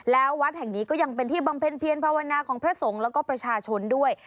แล้ววัดแห่งนี้ก็ยังเป็นที่บำเพ็ญเพียรภาวนาของพระสงฆ์แล้วก็ประชาชนด้วย